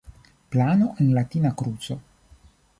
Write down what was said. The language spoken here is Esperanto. Plano en latina kruco.